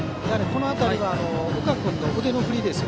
その辺りは岡君の腕の振り。